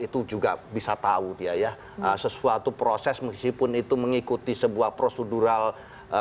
itu juga bisa tahu dia ya sesuatu proses meskipun itu mengikuti sebuah prosedural